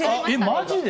マジで？